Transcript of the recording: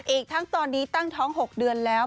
อีกทั้งตอนนี้ตั้งท้อง๖เดือนแล้ว